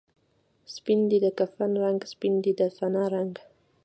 سپین دی د کفن رنګ، سپین دی د فنا رنګ